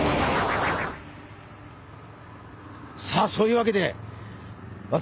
さあそういうわけで私